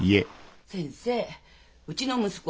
先生うちの息子